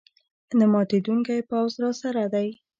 نه ماتېدونکی پوځ راسره دی.